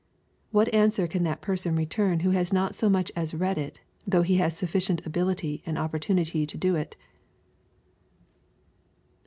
What answer can that person ^ return who has not so much as read it, though he has sufficient ability and opportunity to do it